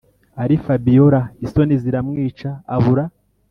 ari fabiora isoni ziramwica abura